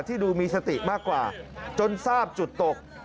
ดูมีสติมากกว่าจนทราบจุดตก